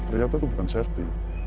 ternyata itu bukan safety